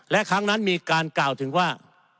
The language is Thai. และครั้งนั้นมีการกล่าวถึงว่า